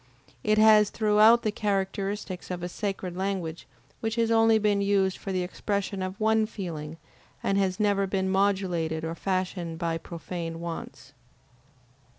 It has throughout the characteristics of a sacred language which has only been used for the expression of one feeling and has never been modulated or fashioned by profane wants.